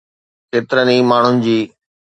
ڪيترن ئي ماڻهن جي